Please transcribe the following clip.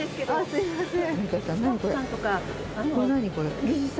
すいません。